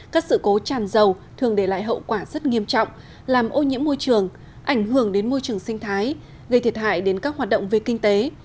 các sự cố tràn dầu thường để lại hậu quả rất nghiêm trọng làm ô nhiễm môi trường ảnh hưởng đến môi trường sinh thái gây thiệt hại đến các hoạt động về kinh tế